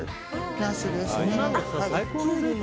ナスですね。